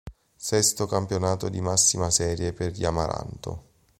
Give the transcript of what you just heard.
Sesto campionato di massima serie per gli amaranto.